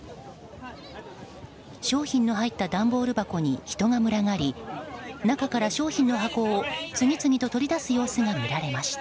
商品の入った段ボール箱に人が群がり、中から商品の箱を次々と取り出す様子が見られました。